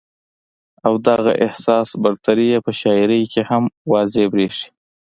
او دغه احساس برتري ئې پۀ شاعرۍ کښې هم واضحه برېښي